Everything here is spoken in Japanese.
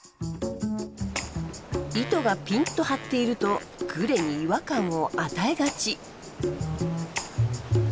糸がピンっと張っているとグレに違和感を与えがち。